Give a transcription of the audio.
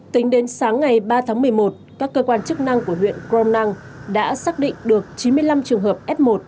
tính đến sáng ngày ba tháng một mươi một các cơ quan chức năng của huyện crom năng đã xác định được chín mươi năm trường hợp f một